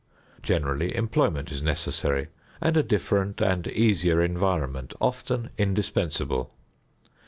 Generally employment is necessary and a different and easier environment often indispensable.